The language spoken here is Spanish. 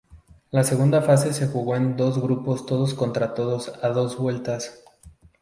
La segunda fase se jugó en dos grupos todos contra todos a dos vueltas.